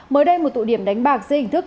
mới đây một tụ điểm đánh bạc dây hình thức